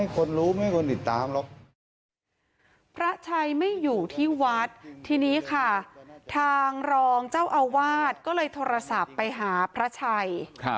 พระชัยไม่อยู่ที่วัดทีนี้ค่ะทางรองเจ้าอาวาสก็เลยโทรศัพท์ไปหาพระชัย